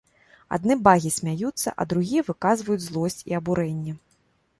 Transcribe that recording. Адны багі смяюцца, а другія выказваюць злосць і абурэнне.